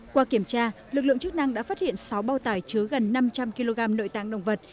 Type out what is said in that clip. qua kiểm tra lực lượng chức năng đã phát hiện sáu bao tải chứa gần năm trăm linh kg nội tạng động vật